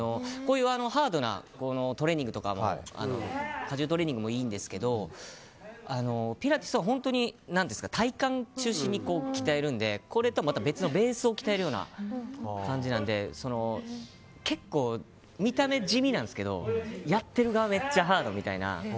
ハードなトレーニングとか加重トレーニングもいいんですがピラティスは本当に体幹中心に鍛えるのでこれとは別のベースを鍛えるような感じなので結構見た目地味なんですけどやってる側はめっちゃハードみたいな。